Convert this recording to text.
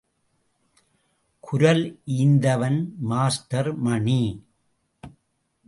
குரல் ஈந்தவன் மாஸ்டர் மணி.